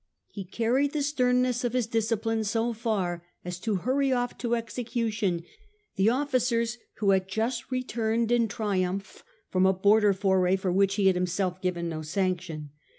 He carried the sternness of his discipline so far as to hurry off to execution the officers who had just returned in triumph from a border foray for which he had himself given no sanction.